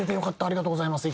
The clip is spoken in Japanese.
ありがとうございます。